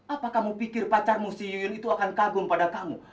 apa kamu pikir pacarmu siyun itu akan kagum pada kamu